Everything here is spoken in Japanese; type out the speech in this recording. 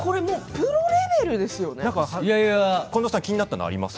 プロレベルなんですよ。